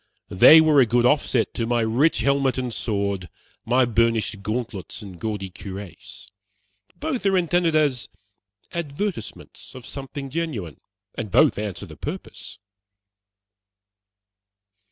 They were a good offset to my rich helmet and sword, my burnished gauntlets and gaudy cuirass. Both are intended as advertisements of something genuine, and both answer the purpose."